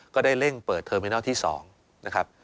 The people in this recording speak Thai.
ก็ได้เร่งเปิดเทอร์มินอลที่๒นะครับ